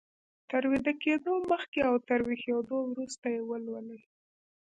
تر ويده کېدو مخکې او تر ويښېدو وروسته يې ولولئ.